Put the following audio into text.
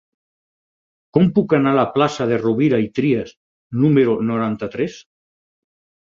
Com puc anar a la plaça de Rovira i Trias número noranta-tres?